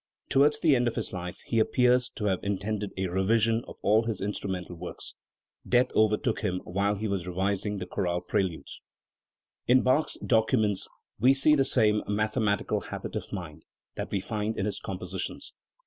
Towards the end of his life he appears to have intended a revision of all his instrumental works. Death overtook him while he was revising the chorale preludes. In Bach's documents we see the same mathematical habit of inind that we find in his compositions.